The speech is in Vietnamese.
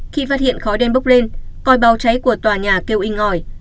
khi phát hiện khói đen bốc lên coi bào cháy của tòa nhà kêu in ngòi